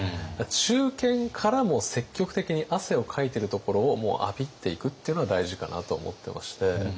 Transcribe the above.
中堅からも積極的に汗をかいてるところをもうアピっていくっていうのが大事かなと思ってまして。